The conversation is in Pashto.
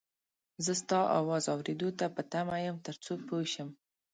زه ستا اواز اورېدو ته په تمه یم تر څو پوی شم